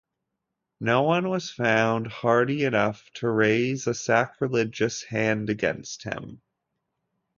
No one was found hardy enough to raise a sacrilegious hand against him.